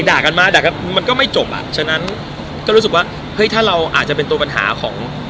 ด่ากันมาด่ากันมันก็ไม่จบอ่ะฉะนั้นก็รู้สึกว่าเฮ้ยถ้าเราอาจจะเป็นตัวปัญหาของ